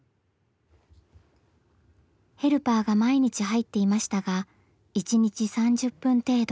ヘルパーが毎日入っていましたが１日３０分程度。